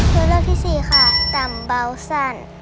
ตัวเลือกที่สี่ค่ะต่ำเบาสั้น